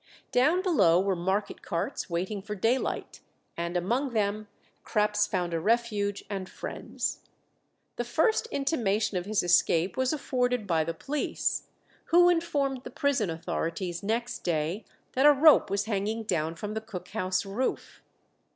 Down below were market carts waiting for daylight, and among them Krapps found a refuge and friends. The first intimation of his escape was afforded by the police, who informed the prison authorities next day that a rope was hanging down from the cook house roof.